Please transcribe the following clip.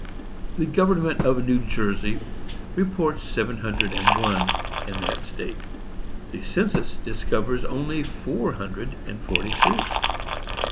"The government of New Jersey reports seven hundred and one in that state; the census discovers only four hundred and forty two.